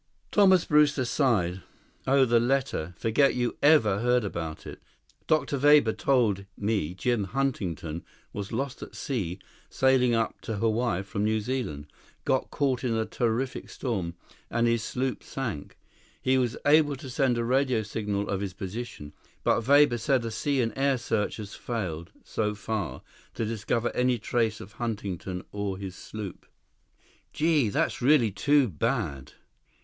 Thomas Brewster sighed. "Oh, the letter. Forget you ever heard about it. Dr. Weber told me Jim Huntington was lost at sea sailing up to Hawaii from New Zealand. Got caught in a terrific storm, and his sloop sank. He was able to send a radio signal of his position, but Weber said a sea and air search has failed, so far, to discover any trace of Huntington or his sloop." "Gee, that's really too bad.